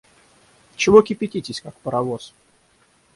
Чего кипятитесь, как паровоз?